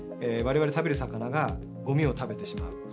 われわれ食べる魚がゴミを食べてしまう。